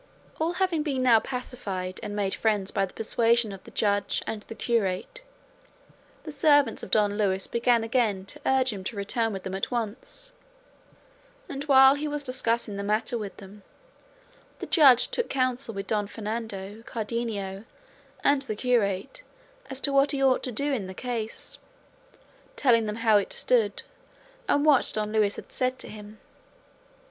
All having been now pacified and made friends by the persuasion of the Judge and the curate, the servants of Don Luis began again to urge him to return with them at once; and while he was discussing the matter with them, the Judge took counsel with Don Fernando, Cardenio, and the curate as to what he ought to do in the case, telling them how it stood, and what Don Luis had said to him.